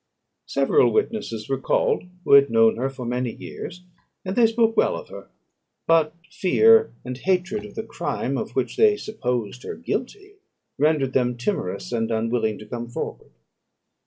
Several witnesses were called, who had known her for many years, and they spoke well of her; but fear, and hatred of the crime of which they supposed her guilty, rendered them timorous, and unwilling to come forward.